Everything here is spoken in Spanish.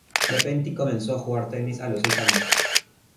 Lapentti comenzó a jugar tenis a los seis años.